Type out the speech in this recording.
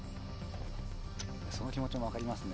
その気持ちも分かりますね。